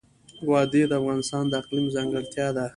وادي د افغانستان د اقلیم ځانګړتیا ده.